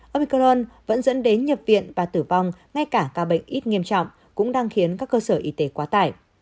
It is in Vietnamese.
opcron vẫn dẫn đến nhập viện và tử vong ngay cả ca bệnh ít nghiêm trọng cũng đang khiến các cơ sở y tế quá tải